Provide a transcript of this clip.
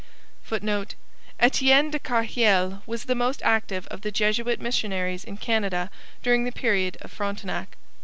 [Footnote: Etienne de Carheil was the most active of the Jesuit missionaries in Canada during the period of Frontenac.